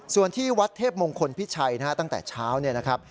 ส่วนที่วัดเทพมงคลพิชัยตั้งแต่เช้า